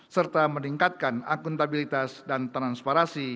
serta meningkatkan akuntabilitas dan transparansi